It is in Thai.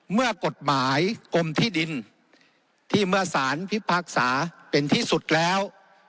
เมื่อกฎหมายกรมที่ดินที่เมื่อสารพิพากษาเป็นที่สุดแล้ว